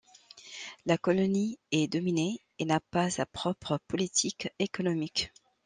La colonie est dominée et n’a pas sa propre politique économique.